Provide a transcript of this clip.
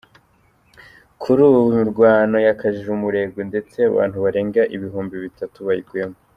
Kuri ubu, imirwano yakajije umurego, ndetse abantu barenga ibihumbi bitatu bayiguyemo.